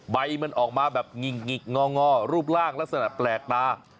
ใบมันออกมาแบบหงิกงอรูปร่างลักษณะแปลกตา